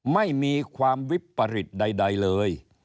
ไม่มีความวิปริตใดเลย